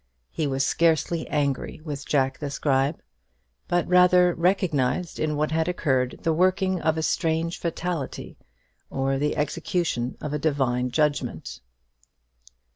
He was scarcely angry with Jack the Scribe; but rather recognized in what had occurred the working of a strange fatality, or the execution of a divine judgment.